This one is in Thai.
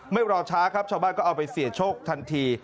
รอช้าครับชาวบ้านก็เอาไปเสี่ยงโชคทันที